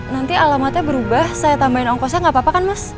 nanti alamatnya berubah saya tambahin ongkosnya nggak apa apa kan mas